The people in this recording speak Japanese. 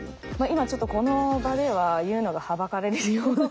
今ちょっとこの場では言うのがはばかられるような。